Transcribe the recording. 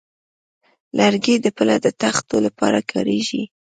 لرګی د پله د تختو لپاره کارېږي.